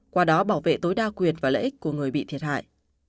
qua đó bảo vệ tối đa quyền và lợi ích của người bị thiệt hại